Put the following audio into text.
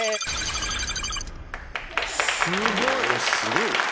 すごい！